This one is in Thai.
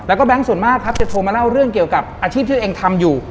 แล้วก็แบงค์ส่วนมากครับจะโทรมาเล่าเรื่องเกี่ยวกับอาชีพที่ตัวเองทำอยู่